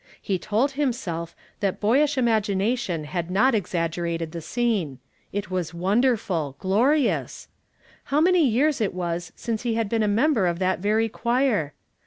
He told himself, that boyish imagina tion had not exaggerated the scene • it was won derful, glorious ! How many years it was since he had been a member of that very choir!